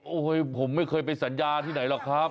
โอ้โหผมไม่เคยไปสัญญาที่ไหนหรอกครับ